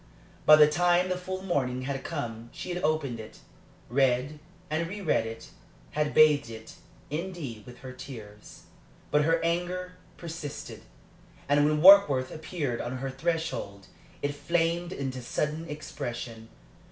By the time the full morning had come she had opened it, read and reread it had bathed it, indeed, with her tears. But her anger persisted, and when Warkworth appeared on her threshold it flamed into sudden expression.